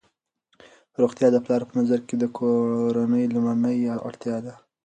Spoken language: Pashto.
روغتیا د پلار په نظر کې د کورنۍ لومړنۍ اړتیا ده.